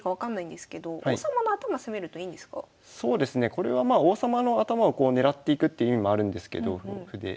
これはまあ王様の頭を狙っていくっていう意味もあるんですけど歩で。